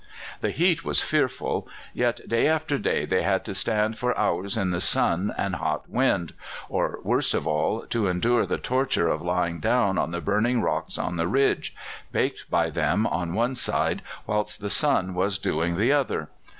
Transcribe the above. The heat was fearful, yet day after day they had to stand for hours in the sun and hot wind, or, worst of all, to endure the torture of lying down on the burning rocks on the Ridge baked by them on one side, whilst the sun was "doing" the other.